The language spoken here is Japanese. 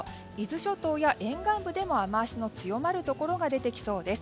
伊豆諸島や沿岸部でも雨脚の強まるところが出てきそうです。